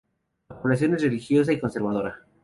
La población es religiosa y conservadora.